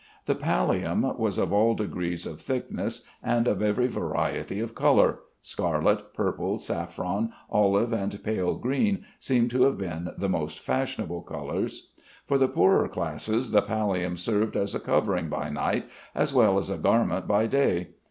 The pallium was of all degrees of thickness and of every variety of color; scarlet, purple, saffron, olive, and pale green seem to have been the most fashionable colors. For the poorer classes the pallium served as a covering by night as well as a garment by day.